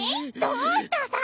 どうしたさ！？